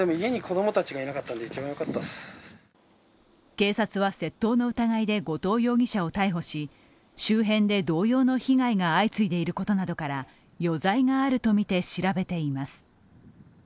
警察は窃盗の疑いで後藤容疑者を逮捕し周辺で同様の被害が相次いでいることなどから余罪があるとみて調べています。